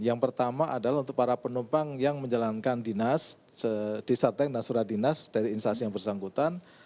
yang pertama adalah untuk para penumpang yang menjalankan dinas disateng dan surat dinas dari instansi yang bersangkutan